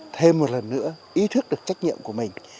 thêm một lần nữa ý thức được trách nhiệm của mình